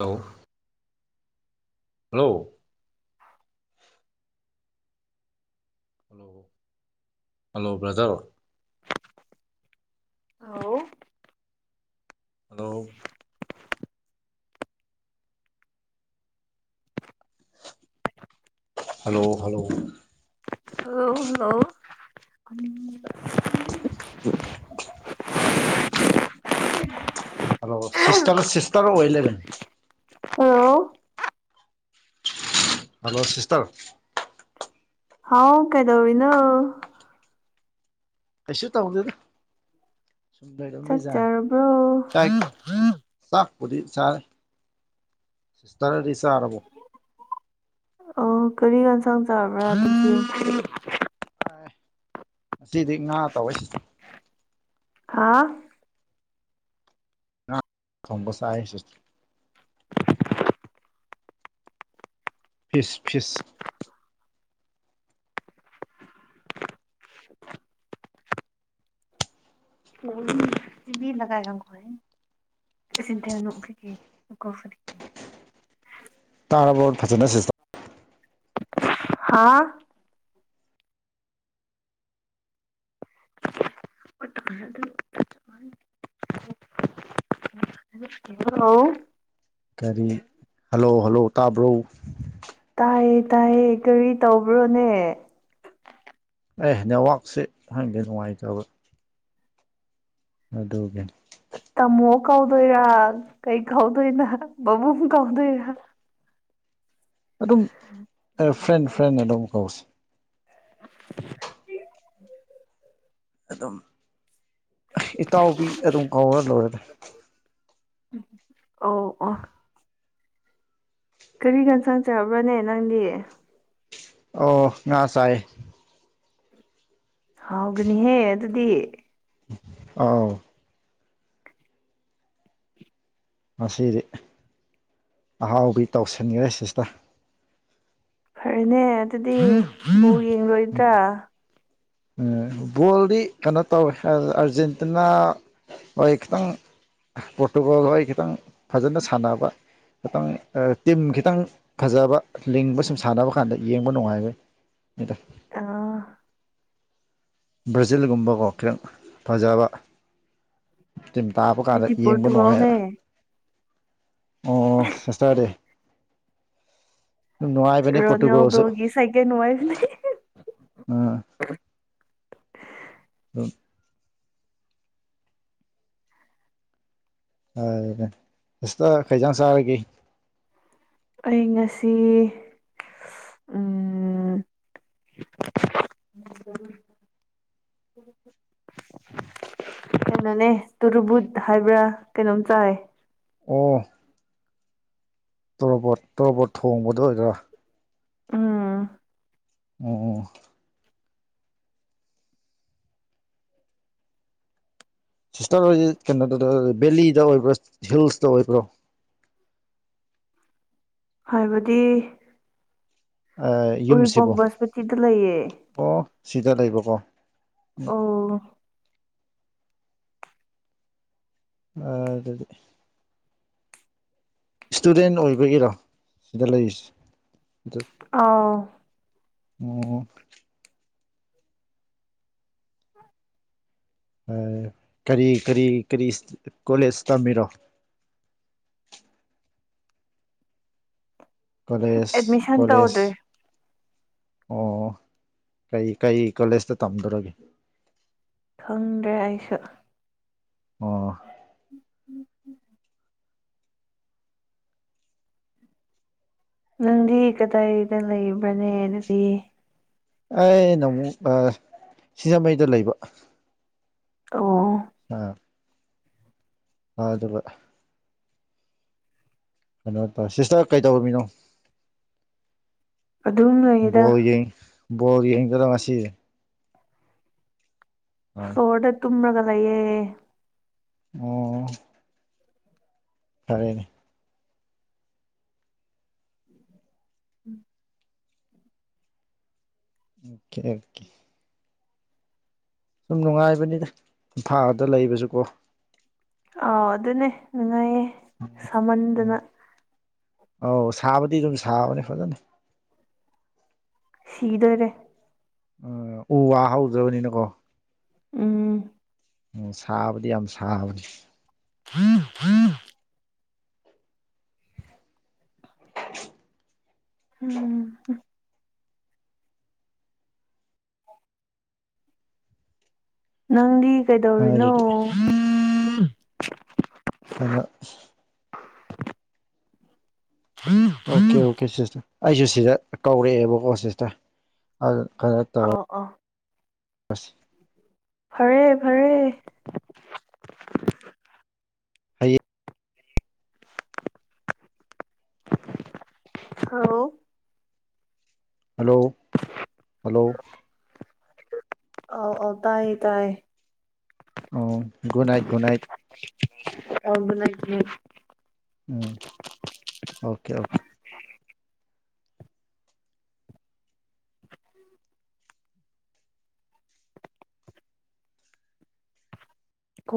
hello hello hello hello brother ꯍꯥꯎ hello hello hello ꯍ hello hello [unintelligible] hello sister sister ꯑꯣꯏ ꯂꯩꯔꯦ hello hello sister ꯍꯥꯎ ꯀꯥꯏꯗꯧꯔꯤꯅꯣ ꯀꯩꯁꯨ ꯇꯥꯎꯗꯗ ꯆꯥꯛ ꯆꯥꯔꯕ꯭ꯔꯣ ꯄꯨꯗꯤ ꯆꯥꯔꯦ ꯁꯤꯁꯇꯔꯗꯤ ꯆꯥꯔꯕꯣ ꯑꯣ ꯀꯔꯤ ꯌꯦꯟꯁꯥꯡ ꯆꯥꯕ꯭ꯔꯥ ꯑꯗꯨꯗꯤ ꯉꯁꯤꯗꯤ ꯉꯥ ꯇꯧꯋꯦ ꯁꯤꯁꯇꯔ ꯍꯥꯥ ꯉꯥ ꯊꯣꯡꯕ ꯆꯥꯏꯌꯦ ꯁꯤꯁꯇꯔ ꯐꯤꯁ ꯐꯤꯁ [unintelligible] ꯇꯥꯕ꯭ꯔꯣ ꯐꯖꯅ ꯁꯤꯁꯇꯔ ꯍꯥꯥ [unintelligible] ꯍꯂ ꯀꯔꯤ ꯍꯜꯂꯣ ꯍꯜꯂꯣ ꯇꯥꯕ꯭ꯔꯣ ꯇꯥꯏꯌꯦ ꯇꯥꯏꯌꯦ ꯀꯔꯤ ꯇꯧꯕ꯭ꯔꯣꯅꯦ ꯑꯦ ꯅꯦꯠꯋꯥꯛꯁꯦ ꯈꯪꯗꯦ ꯅꯨꯡꯉꯥꯏꯇꯕ ꯑꯗꯨꯗꯒ ꯇꯥꯃꯣ ꯀꯧꯗꯣꯏꯔꯥ ꯀꯩ ꯀꯧꯗꯣꯏꯅ ꯄꯥꯕꯨꯡ ꯀꯧꯗꯣꯏꯔꯥ ꯑꯗꯨꯝ ꯑꯦ ꯐ꯭ꯔꯦꯟ ꯐ꯭ꯔꯦꯟꯅ ꯑꯗꯨꯝ ꯀꯧꯁꯤ [unintelligible] ꯑꯗꯨꯝ ꯑꯩꯍ ꯏꯇꯥꯎꯕꯤ ꯑꯗꯨꯝ ꯀꯧꯔ ꯂꯣꯏꯔꯦꯗ ꯑꯣ ꯑꯣ ꯀꯔꯤ ꯌꯦꯟꯁꯥꯡ ꯆꯥꯕ꯭ꯔꯥꯅꯦ ꯅꯪꯗꯤ ꯑꯣ ꯉꯥ ꯆꯥꯌꯦ ꯍꯥꯎꯒꯅꯤꯍꯦ ꯑꯗꯨꯗꯤ ꯑꯥꯎ ꯉꯁꯤꯗꯤ ꯑꯍꯥꯎꯕꯤ ꯇꯧꯁꯤꯟꯈ꯭ꯔꯦ ꯁꯤꯁꯇꯔ ꯐꯔꯦꯅꯦ ꯑꯗꯨꯗꯤ ꯌꯦꯡ ꯔꯣꯏꯗ꯭ꯔ ꯎꯝ ꯕꯣꯜꯗꯤ ꯀꯩꯅꯣ ꯇꯧꯋꯦ ꯑꯔ ꯑꯥꯔꯖꯦꯟꯇꯤꯅꯥ ꯍꯣꯏ ꯈꯤꯇꯪ ꯄꯣꯔꯇꯨꯒꯜ ꯍꯣꯏ ꯈꯤꯇꯪ ꯐꯖꯅ ꯁꯥꯟꯅꯕ ꯈꯤꯇꯪ ꯑ ꯇꯤꯝ ꯈꯤꯇꯪ ꯐꯖꯕ ꯂꯤꯡꯕ ꯁꯨꯝ ꯁꯥꯟꯅꯕ ꯀꯥꯟꯗ ꯌꯦꯡꯕ ꯅꯨꯡꯉꯥꯏꯕꯩ ꯅꯤꯗ ꯑꯥ ꯕ꯭ꯔꯥꯖꯤꯜꯒꯨꯝꯕꯀꯣ ꯈꯤꯇꯪ ꯐꯖꯕ ꯇꯤꯝ ꯇꯥꯕ ꯀꯥꯟꯗ ꯑꯩꯗꯤ ꯄꯣꯔꯇꯨꯒꯜꯅꯦ ꯌꯦꯡꯕꯅꯣꯉꯥꯏꯕ ꯑꯣ ꯁꯦꯁꯇꯔꯗꯤ ꯔꯣꯅꯦꯜꯗꫭꯒꯤ ꯁꯦꯀꯦꯟ ꯋꯥꯏꯐꯅꯦ ꯑ [inaudible] ꯌꯥꯏꯅꯦ ꯁꯤꯁꯇꯔ ꯀꯩ ꯏꯟꯖꯥꯡ ꯆꯥꯔꯒꯦ ꯑꯩ ꯉꯁꯤ ꯎꯝ ꯀꯩꯅꯣꯅꯦ ꯇꯨꯔꯨꯕꯨꯠ ꯍꯥꯏꯕ꯭ꯔꯥ ꯀꯩꯅꯣꯝ ꯆꯥꯏ ꯑꯣ ꯇꯣꯔꯣꯕꯣꯠ ꯇꯣꯔꯣꯕꯣꯠ ꯊꯣꯡꯕꯗꫭ ꯑꯣꯏꯗꫭꯏꯔꯥ ꯎꯝ ꯑꯣ ꯁꯤꯁꯇꯔ ꯍꫭꯏꯗꯤ ꯀꯩꯅꯣꯗ ꯗ ꯕꯦꯂꯤꯗ ꯑꯣꯏꯕ꯭ꯔꫭ ꯍꯤꯜꯁꯇ ꯑꯣꯏꯕ꯭ꯔꯣ ꯍꯥꯏꯕꯗꯤ ꯎꯔꯤꯄꯣꯛ ꯌꯨꯝꯁꯤꯕꯨ ꯕꯥꯁꯄꯇꯤꯗ ꯂꯩꯌꯦ ꯑꯣ ꯁꯤꯗ ꯂꯩꯕꯀꯣ ꯎꯝ ꯑꯣ ꯑ ꯑꯗꯨꯗꯤ ꯏꯁꯇꯨꯗꯦꯟ ꯑꯣꯏꯕꯒꯤꯔꯣ ꯁꯤꯗ ꯂꯩꯔꯤꯁ ꯑꯥ ꯑꯣ ꯀꯔꯤ ꯀꯔꯤ ꯀꯔꯤ ꯀꯣꯂꯦꯖ ꯇꯝꯃꯤꯔꯣ ꯀꯣꯂꯦꯖ ꯑꯦꯠꯃꯤꯁꯟ ꯀꯣꯂꯦꯖ ꯇꯧꯗ꯭ꯔꯤ ꯑꯣ ꯀꯩ ꯀꯩ ꯀꯣꯂꯦꯖꯇ ꯇꯝꯗꯧꯔꯒꯦ ꯈꯪꯗ꯭ꯔꯦ ꯑꯩꯁꯨ ꯑꯣ ꯎꯝ ꯎꯝ ꯅꯪꯗꯤ ꯀꯗꯥꯏꯗ ꯂꯩꯕ꯭ꯔꯅꯦ ꯑꯗꯨꯗꯤ ꯑꯩ ꯅ ꯑꯃꯨꯛ ꯁꯤꯡꯖꯃꯩꯗ ꯂꯩꯕ ꯑꯣ ꯑꯥ ꯑ ꯑꯗꯨꯒ ꯀꯩꯅꯣ ꯇꯧ ꯁꯤꯁꯇꯔ ꯀꯩꯗꯧꯔꯝꯃꯤꯅꯣ ꯑꯗꯨꯝ ꯂꯩꯔꯤꯗꯥ ꯕꯣꯜ ꯌꯦꯡ ꯕꯣꯜ ꯌꯦꯡꯗꫭꯏꯔꯥ ꯉꯁꯤ ꯍꯣꯏ ꯐꯣꯔꯗ ꯇꯨꯝꯔꯒ ꯂꯩꯌꯦ ꯑꯣ ꯐꯔꯦꯅꯦ ꯎꯝ ꯑꯣ ꯀꯦ ꯑꯣ ꯀꯦ ꯁꯨꯝ ꯅꯨꯡꯉꯥꯏꯕꯅꯤꯗ ꯏꯝꯐꯥꯜꯗ ꯂꯩꯕꯁꯨꯀꯣ ꯑ ꯑꯗꯨꯅꯦ ꯅꯨꯡꯉꯥꯏꯌꯦ ꯎꯝ ꯁꯥꯃꯟꯗꯅ ꯑꯧ ꯁꯥꯕꯗꯤ ꯑꯗꯨꯝ ꯁꯥꯕꯅꯤ ꯐꯖꯅ ꯁꯤꯗꯣꯔꯦ ꯎꯝ ꯎ ꯋꯥ ꯍꯧꯗꯕꯅꯤꯅꯀꯣ ꯎꯝ ꯎꯝ ꯁꯥꯕꯗꯤ ꯌꯥꯝ ꯁꯥꯕꯅꯤ [unintelligible] ꯎꯝ ꯅꯪꯗꯤ ꯀꯩꯗꯧꯔꯤꯅꯣ ꯑꯗꯨꯗꯤ ꯑꯗꯨꯅ ꯑꯣ ꯀꯦ ꯑꯣ ꯑꯥꯎ ꯀꯦ ꯁꯤꯁꯇꯔ ꯑꯩꯁꯨ ꯁꯤꯗ ꯀꯧꯔꯛꯑꯦꯕꯀꯣ ꯁꯤꯁꯇꯔ ꯑꯗꯨ ꯑꯧ ꯑꯧ ꯃꯁꯤ ꯐꯔꯦ ꯐꯔꯦ ꯍꯌꯦꯡ ꯍꯜꯂꯣ ꯍꯜꯂꯣ ꯍꯜꯂꯣ ꯑꯧ ꯑꯧ ꯇꯥꯏꯌꯦ ꯇꯥꯏꯌꯦ ꯑꯣ ꯒꯨꯗ ꯅꯥꯏꯠ ꯒꯨꯗ ꯅꯥꯏꯠ ꯇꯝꯕ [unintelligible] ꯎꯝ ꯑꯣꯀꯦ ꯑꯣꯀꯦ ꯀꯣ